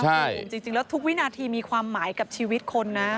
ใช่จริงแล้วทุกวินาทีมีความหมายกับชีวิตคนนะ